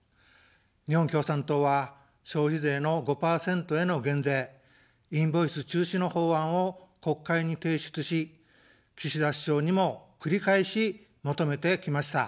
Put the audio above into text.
日本共産党は消費税の５％への減税、インボイス中止の法案を国会に提出し、岸田首相にも繰り返し求めてきました。